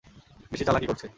বেশি চালাকি করছে।